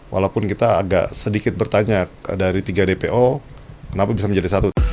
walaupun kita agak sedikit bertanya dari tiga dpo kenapa bisa menjadi satu